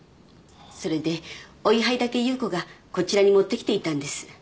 それでお位牌だけ夕子がこちらに持ってきていたんです。